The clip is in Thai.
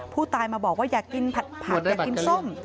ผู้ตายมาบอกว่าอยากกินผัดอยากกินส้ม